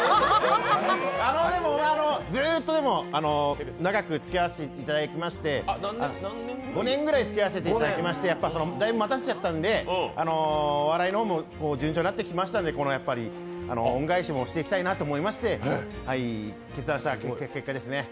でも、ずっと、でも長く付き合わせてもらって、５年ぐらい付き合わせてもらったのでだいぶ待たせちゃったので、お笑いの方も順調になってきましたので、恩返しもしていきたいなと思いまして決断した結果ですね。